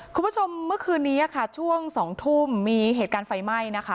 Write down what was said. คุณผู้ชมเมื่อคืนนี้ค่ะช่วง๒ทุ่มมีเหตุการณ์ไฟไหม้นะคะ